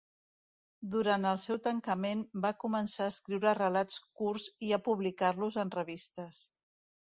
Durant el seu tancament va començar a escriure relats curts i a publicar-los en revistes.